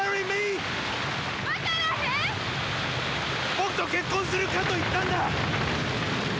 僕と結婚するかと言ったんだ！